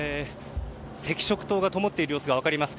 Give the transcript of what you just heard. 赤色灯がともっている様子が分かります。